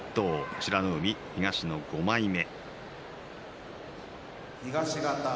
美ノ海が東の５枚目。